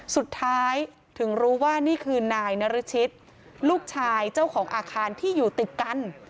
สุดท้ายถึงรู้ว่านี่คือนายนรชิตลูกชายเจ้าของอาคารที่อยู่ติดกัน